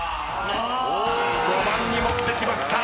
５番に持ってきました。